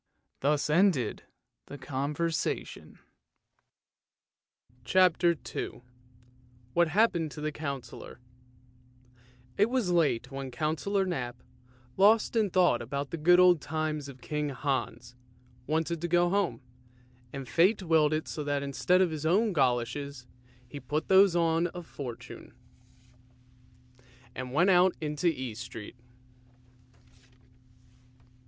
Thus ended the conversation. CHAPTER II WHAT HAPPENED TO THE COUNCILLOR It was late when Councillor Knap, lost in thought about the good old times of King Hans, wanted to go home, and Fate willed it so that instead of his own goloshes, he put on those of THE GOLOSHES OF FORTUNE 311 Fortune, and went out into East Street.